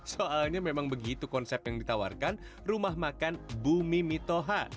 soalnya memang begitu konsep yang ditawarkan rumah makan bumi mitoha